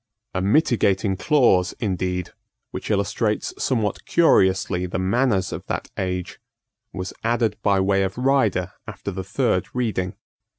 A mitigating clause indeed, which illustrates somewhat curiously the manners of that age, was added by way of rider after the third reading.